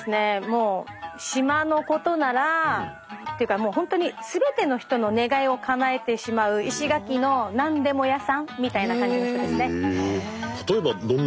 もう島のことならっていうかもう本当にすべての人の願いをかなえてしまう石垣の何でも屋さんみたいな感じの人ですね。